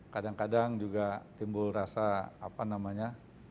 kadang kadang juga timbul rasa apa namanya